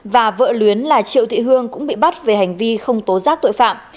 và vợ luyến là triệu thị hương cũng bị bắt về hành vi không tố giác tội phạm